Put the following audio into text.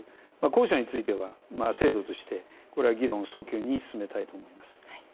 後者については制度として議論を早急に進めたいと思います。